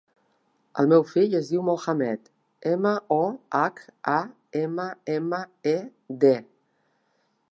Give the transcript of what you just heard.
El meu fill es diu Mohammed: ema, o, hac, a, ema, ema, e, de.